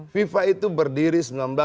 fifa itu berdiri seribu sembilan ratus empat